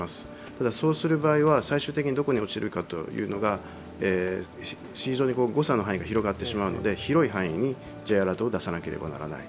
ただそうする場合は最終的にどこに落ちるかというのが誤差の範囲が広がってしまうので広い範囲にＪアラートを出さなければならない。